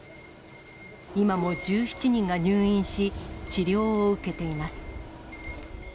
今も１７人が入院し、治療を受けています。